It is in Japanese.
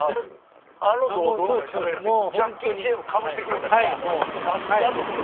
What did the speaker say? あの銅像の前でしゃべってジャッキー・チェンかぶしてくれたからさすがと思って。